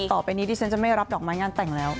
ต่อไปนี้ดิฉันจะไม่รับดอกไม้งานแต่งแล้ว